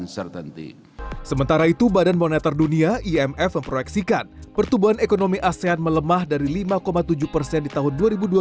termasuk seperti yang saya sebutkan sistem pembayaran digital